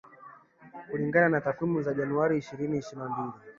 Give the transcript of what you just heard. Kulingana na takwimu za Januari ishirini ishirini na mbili